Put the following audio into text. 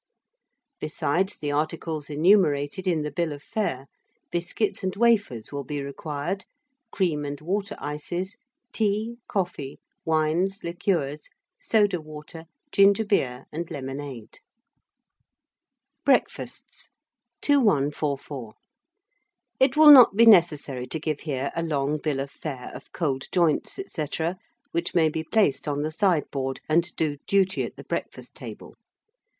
Besides the articles enumerated in the bill of fare, biscuits and wafers will be required, cream and water ices, tea, coffee, wines, liqueurs, soda water, ginger beer, and lemonade. BREAKFASTS. 2144. It will not be necessary to give here a long bill of fare of cold joints, &c., which may be placed on the side board, and do duty at the breakfast table.